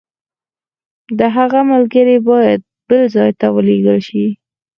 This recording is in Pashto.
د هغه ملګري باید بل ځای ته ولېږل شي.